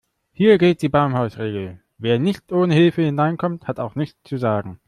Hier gilt die Baumhausregel: Wer nicht ohne Hilfe hineinkommt, hat auch nichts zu sagen.